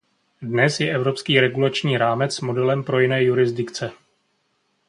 Dnes je evropský regulační rámec modelem pro jiné jurisdikce.